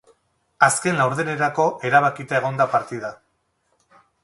Azken laurdenerako erabakita egon da partida.